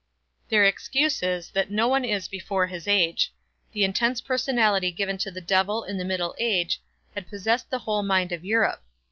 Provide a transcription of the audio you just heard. Their excuse is, that no one is before his age. The intense personality given to the Devil in the Middle Age had possessed the whole mind of Europe.